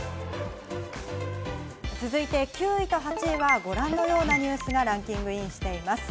続いて９位と８位はご覧のようなニュースがランキングインしています。